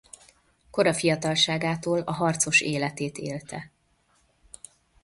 Kora fiatalságától a harcos életét élte.